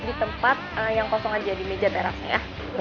di tempat yang kosong aja di meja terasnya ya